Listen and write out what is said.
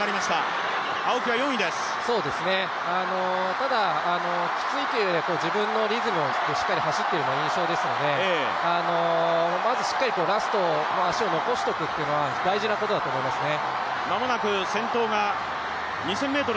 ただきついというよりは自分のリズムを走っているというような印象ですのでまずしっかりラスト、足を残しておくというのは大事なことだと思いますね。